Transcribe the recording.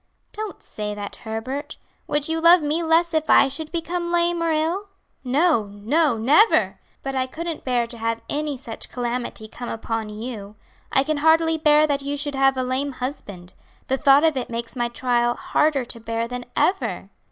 "Don't say that, Herbert. Would you love me less if I should become lame or ill?" "No, no, never! but I couldn't bear to have any such calamity come upon you. I can hardly bear that you should have a lame husband. The thought of it makes my trial harder to bear than ever."